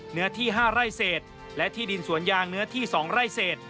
เนื้อที่๕ไร่เศษและที่ดินสวนยางเนื้อที่๒ไร่เศษ